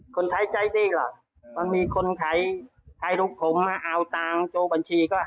คนไทยใจดีหรอมีคนไทยให้ลูกผมเอาเงินจบบัญชี